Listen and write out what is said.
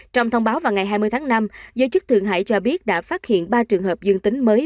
trong thông báo vào ngày hai mươi tháng năm giới chức thượng hải cho biết đã phát hiện ba trường hợp dương tính mới